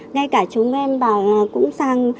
ngay cả chúng em bảo là cũng sang